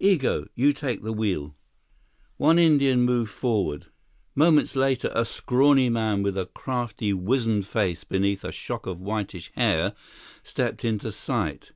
Igo, you take the wheel." One Indian moved forward. Moments later, a scrawny man with a crafty, wizened face beneath a shock of whitish hair, stepped into sight.